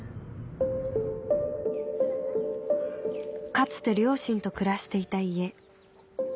かつて両親と暮らしていた家